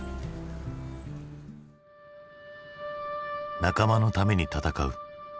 「仲間のために戦う」